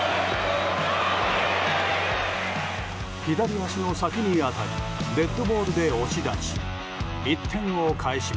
左足の先に当たりデッドボールで押し出し。